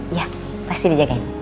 iya pasti dijagain